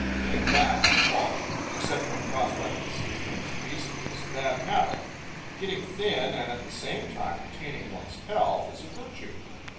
Getting fat is a fault; except when caused by the disease known as obesity, it is a bad habit. Getting thin and at the same time retaining one's health is a virtue.